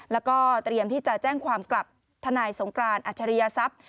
แล้วก็เตรียมที่จะแจ้งความกลับทนายสงกรานอัจฉริยทรัพย์